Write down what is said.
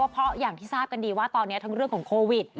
เพราะอย่างที่ทราบกันดีว่าตอนนี้ทั้งเรื่องของโควิด